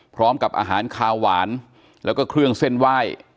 พร้อมกับอาหารคาวหวานแล้วก็เครื่องเส้นไหว้